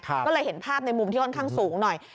ก็เลยเห็นภาพในมุมที่ค่อนข้างสูงหน่อย